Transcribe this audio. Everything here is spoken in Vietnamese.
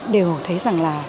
đều thấy rằng là